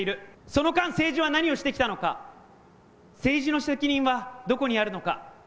その間、政治は何をしてきたのか、政治の責任はどこにあるのか。